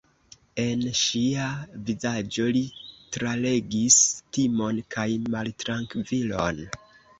En ŝia vizaĝo li tralegis timon kaj maltrankvilon.